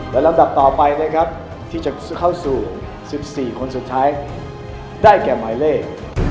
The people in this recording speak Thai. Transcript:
และลำดับต่อไปนะครับที่จะเข้าสู่๑๔คนสุดท้ายได้แก่หมายเลข